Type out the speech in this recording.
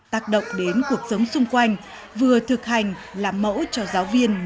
tác động đến cuộc sống xung quanh vừa thực hành làm mẫu cho giáo viên